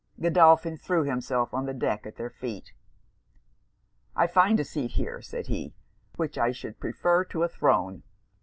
Godolphin threw himself on the deck at their feet. 'I find a seat here,' said he, 'which I should prefer to a throne.